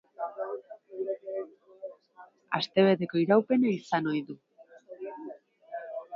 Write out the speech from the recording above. Astebeteko iraupena izan ohi du.